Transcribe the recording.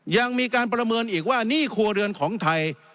ยังมีการประเมินอีกว่าหนี้ครัวเรือนของไทย